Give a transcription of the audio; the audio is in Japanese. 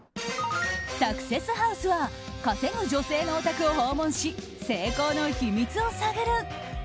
サクセスハウスは稼ぐ女性のお宅を訪問し成功の秘密を探る。